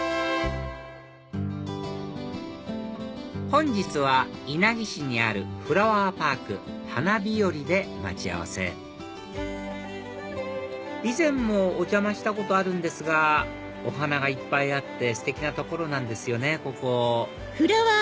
本日は稲城市にあるフラワーパークＨＡＮＡ・ＢＩＹＯＲＩで待ち合わせ以前もお邪魔したことあるんですがお花がいっぱいあってステキな所なんですよね